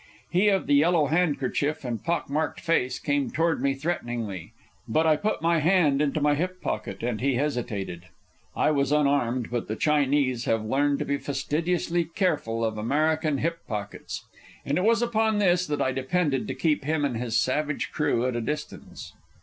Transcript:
He of the yellow handkerchief and pock marked face came toward me threateningly, but I put my hand into my hip pocket, and he hesitated. I was unarmed, but the Chinese have learned to be fastidiously careful of American hip pockets, and it was upon this that I depended to keep him and his savage crew at a distance.